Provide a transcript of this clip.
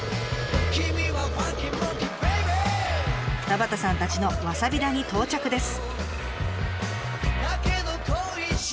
田端さんたちのわさび田に到着です。